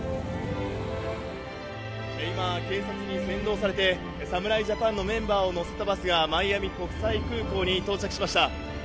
今、警察に先導されて、侍ジャパンのメンバーを乗せたバスがマイアミ国際空港に到着しました。